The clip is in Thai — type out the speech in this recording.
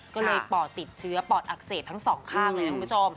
ก็เลยปอดติดเชื้อปอดอักเสบทั้งสองข้างเลยนะคุณผู้ชม